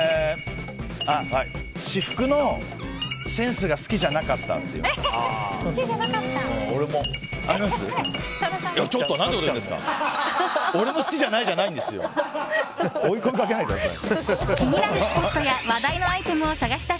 私服のセンスが好きじゃなかったって言われました。